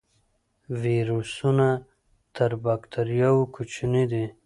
ویروسونه تر بکتریاوو کوچني دي